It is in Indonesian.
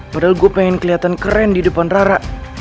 padahal gue pengen kelihatan keren di depan rara